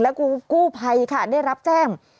และกู้ไพค่ะได้รับแจ้ง